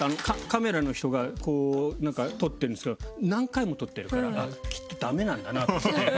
カメラの人がこうなんか撮ってるんですけど何回も撮ってるからきっと駄目なんだなと思って。